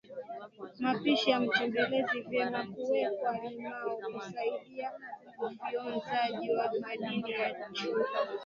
mapishi ya matembeleni vyema kuwekwa limao kusaidia ufyonzaji wa madini ya chuma